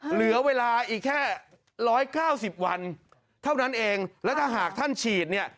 เหลือเวลาอีกแค่๑๙๐วันเท่านั้นเองแล้วถ้าหากท่านฉีดเนี่ย